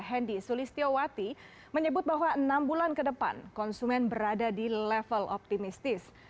hendy sulistyowati menyebut bahwa enam bulan ke depan konsumen berada di level optimistis